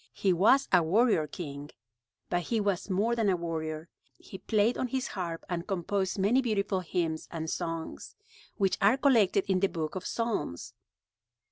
He was a warrior king; but he was more than a warrior. He played on his harp and composed many beautiful hymns and songs, which are collected in the book of Psalms.